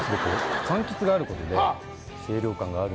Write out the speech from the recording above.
かんきつがあることで清涼感があるので。